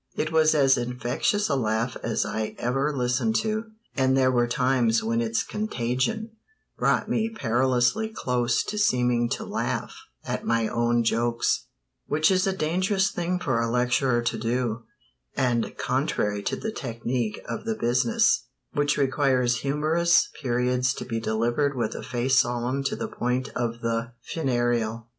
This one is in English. It was as infectious a laugh as I ever listened to, and there were times when its contagion brought me perilously close to seeming to laugh at my own jokes which is a dangerous thing for a lecturer to do, and contrary to the technic of the "business," which requires humorous periods to be delivered with a face solemn to the point of the funereal.